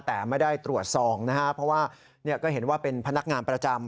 แต่ไม่ได้ตรวจสอบนะครับเพราะว่าก็เห็นว่าเป็นพนักงานประจำ